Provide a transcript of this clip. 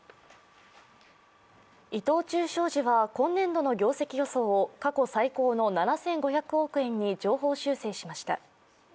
伊藤忠商事は今年度の業績予想を過去最高の７５００億円に上方修正しました。